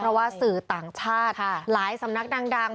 เพราะว่าสื่อต่างชาติหลายสำนักดัง